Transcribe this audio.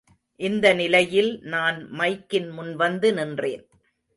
இந்த நிலையில் நான் மைக்கின் முன்வந்து நின்றேன்.